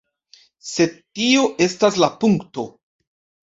Sed tio estas la punkto.